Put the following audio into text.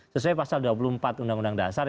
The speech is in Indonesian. sesuai pasal dua puluh empat undang undang dasar